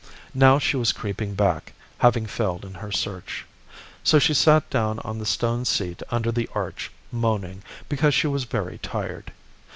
Now she was creeping back, having failed in her search. So she sat down on the stone seat under the arch, moaning, because she was very tired.